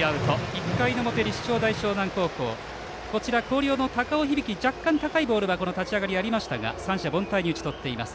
１回の表、立正大淞南高校広陵の高尾響、若干高いボールがこの立ち上がりにはありましたが三者凡退に打ち取っています。